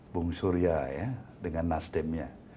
bung surya ya dengan nasdemnya